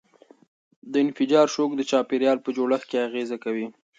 د انفجار شوک د چاپیریال په جوړښت اغېزه کوي.